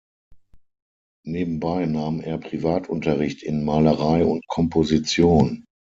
Nebenbei nahm er Privatunterricht in Malerei und Komposition.